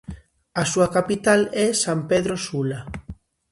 A súa capital é San Pedro Sula.